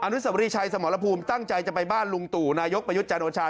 นุสวรีชัยสมรภูมิตั้งใจจะไปบ้านลุงตู่นายกประยุทธ์จันโอชา